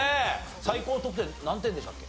最高得点何点でしたっけ？